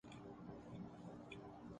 میں کل چھٹی کر ریا ہوں